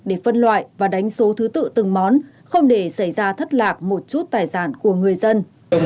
để phân loại và đánh số thứ tự từng món không để xảy ra thất lạc một chút tài sản của người dân